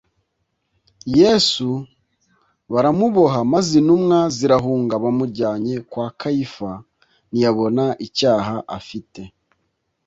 yesu baramuboha maze intumwa zirahunga bamujyanye kwa kayifa ntiyabona icyaha afite